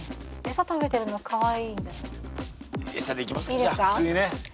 いいですか？